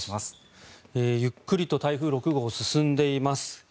ゆっくりと台風６号進んでいます。